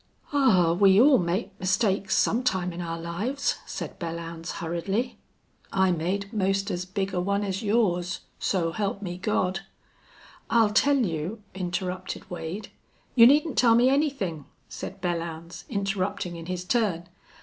"Aw! we all make mistakes some time in our lives," said Belllounds, hurriedly. "I made 'most as big a one as yours so help me God!..." "I'll tell you " interrupted Wade. "You needn't tell me anythin'," said Belllounds, interrupting in his turn.